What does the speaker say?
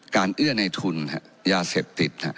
เอื้อในทุนยาเสพติด